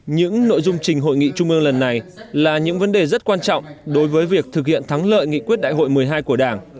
những nội dung trình hội nghị trung ương lần này là những vấn đề rất quan trọng đối với việc thực hiện thắng lợi nghị quyết đại hội một mươi hai của đảng